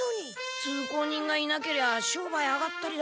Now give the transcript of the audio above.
通行人がいなけりゃ商売あがったりだ。